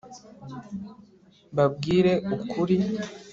babwire ukuri